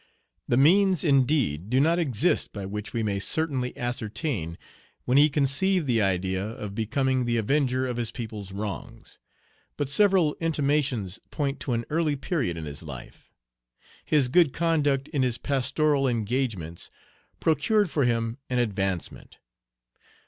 The means, indeed, do not exist by which we may certainly ascertain when he conceived the idea of becoming the avenger of his people's wrongs; but several intimations point to an early period in his life. His good conduct in his pastoral engagements procured for him an advancement.